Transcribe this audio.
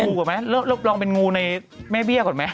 ลองเป็นงูกว่าไหมลองเป็นงูในแม่เบี้ยกว่าไหม